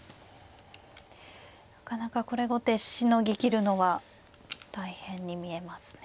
なかなかこれ後手しのぎきるのは大変に見えますね。